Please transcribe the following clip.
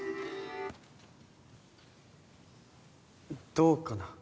どうかな？